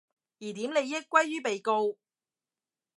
疑點利益歸於被告